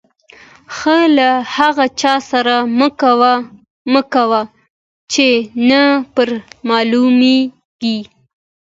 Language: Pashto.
ښه له هغه چا سره مه کوئ، چي نه پر معلومېږي.